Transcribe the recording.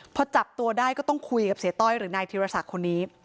พอจับตัวได้ก็ต้องคุยกับเสียต้อยหรือนายธิรศักดิ์คนนี้